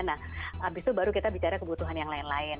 nah habis itu baru kita bicara kebutuhan yang lain lain